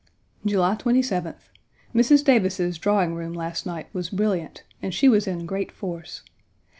July 27th. Mrs. Davis's drawing room last night was brilliant, and she was in great force.